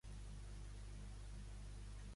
Com va actuar, Rajoy, segons el líder de Ciutadans?